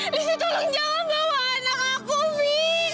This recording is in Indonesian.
lyfi tolong jangan bawa anak aku vy